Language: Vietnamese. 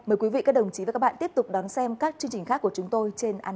mời quý vị các đồng chí và các bạn tiếp tục đón xem các chương trình khác của chúng tôi trên ant